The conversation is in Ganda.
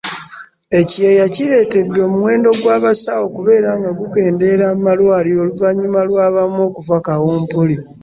ekyeya kireetedde omuwendo gw'abasawo okubeera nga gukendera mu malwaliro oluvannyuma lw'abamu okufa kawumpuli